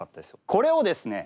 これをですね